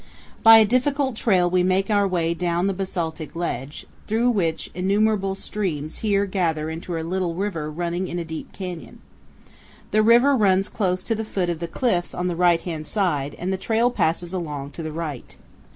By a difficult trail we make our way down the basaltic ledge, through which innumerable streams here gather into a little river running in a deep canyon. The river runs close to the foot of the cliffs on the right hand side and the trail passes along to the right.